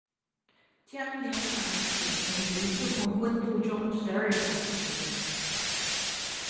將牛奶貯存於不同溫度中十二小時